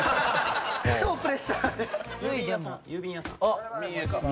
超プレッシャー。